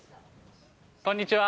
こんにちは。